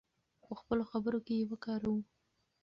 په خپلو خبرو کې یې وکاروو.